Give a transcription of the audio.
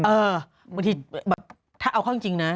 บางทีแบบถ้าเอาเข้าจริงนะ